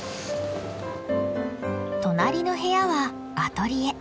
隣の部屋はアトリエ。